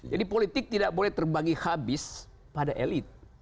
jadi politik tidak boleh terbagi habis pada elit